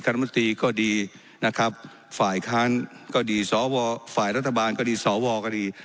รัฐมนตรีก็ดีนะครับฝ่ายค้านก็ดีสวฝ่ายรัฐบาลก็ดีสวก็ดี